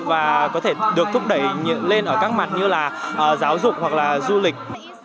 và có thể được thúc đẩy lên ở các mặt như là giáo dục hoặc là du lịch